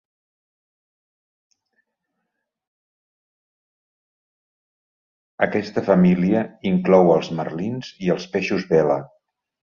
Aquesta família inclou els marlins i els peixos vela.